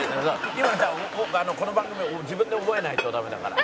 この番組は自分で覚えないとダメだから」